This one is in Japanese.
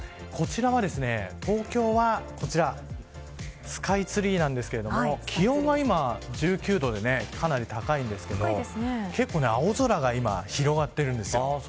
東京はスカイツリーなんですけど気温は今１９度でかなり高いんですが結構、青空が今広がっているんです。